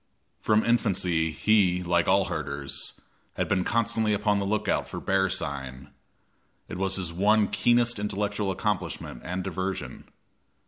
From infancy he, like all the herders, had been constantly upon the lookout for bear sign; it was his one keenest intellectual accomplishment and diversion.